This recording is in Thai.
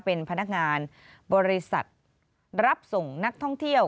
เป็นพนักงานบริษัทรับส่งนักท่องเที่ยว